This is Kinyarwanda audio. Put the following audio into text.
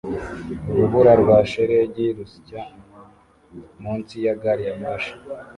Urubura rwa shelegi rusya munsi ya gari ya moshi